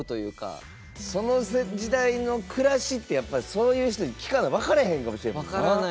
その時代の暮らしってそういう人に聞かな分からへんかもしれんもんな。